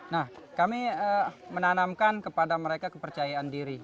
nah kami menanamkan kepada mereka kepercayaan diri